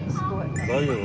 大丈夫？